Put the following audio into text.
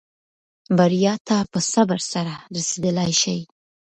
بریا ته په صبر سره رسېدلای شې.